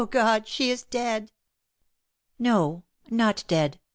God, she is dead !" "No! not dead !"